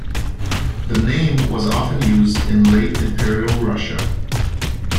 The name was often used in late Imperial Russia.